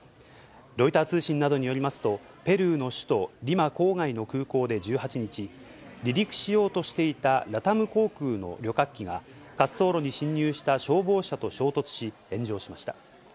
ロイター通信などによりますと、ペルーの首都リマ郊外の空港で１８日、離陸しようとしていたラタム航空の旅客機が、滑走路に進入した消防車と衝突し、炎上しました。